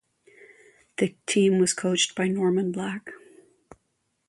The team was coached by Norman Black.